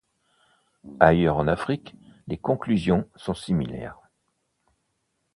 Ailleurs en Afrique, les conclusions sont similaires.